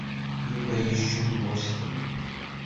Yuba yejjem Boston.